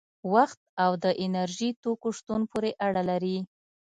وخت او د انرژي توکو شتون پورې اړه لري.